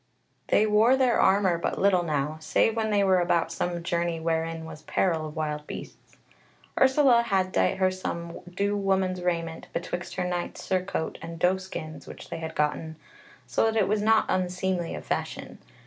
They wore their armour but little now, save when they were about some journey wherein was peril of wild beasts. Ursula had dight her some due woman's raiment betwixt her knight's surcoat and doe skins which they had gotten, so that it was not unseemly of fashion.